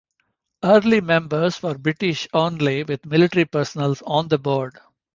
Early members were British only with military personnel on the board.